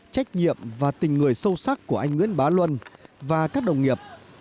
trách nhiệm và tình người sâu sắc của anh nguyễn bá luân và các đồng nghiệp